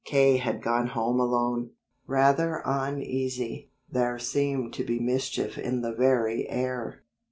K. had gone home alone, rather uneasy. There seemed to be mischief in the very air.